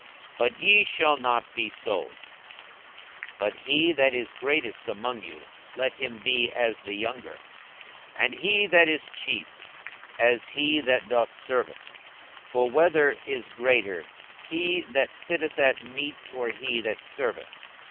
42:022:026 But ye shall not be so: but he that is greatest among you, let him be as the younger; and he that is chief, as he that doth serve. 42:022:027 For whether is greater, he that sitteth at meat, or he that serveth?